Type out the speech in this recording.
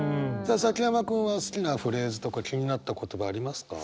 さあ崎山君は好きなフレーズとか気になった言葉ありますか？